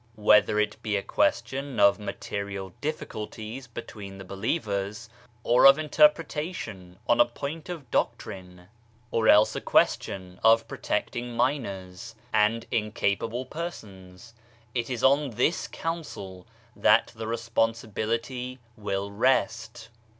Whether it be a question of material difficulties between the believers, or of interpretation on a point of doctrine, or else a question 1 KilabuH Aqdm, loc. cit p. II. 132 BAHAISM of protecting minors, and incapable persons, it is on this council that the responsibility will rest.